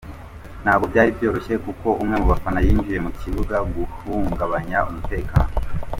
Ntabwo byari byoshye kuko umwe mu bafaba yinjiye mu kibuga guhungabanya umutekano.